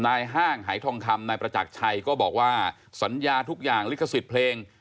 ห้างหายทองคำนายประจักรชัยก็บอกว่าสัญญาทุกอย่างลิขสิทธิ์เพลง